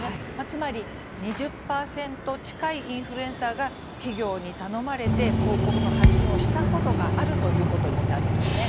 つまり２０％近いインフルエンサーが企業に頼まれて広告の発信をしたことがあるということになるんですね。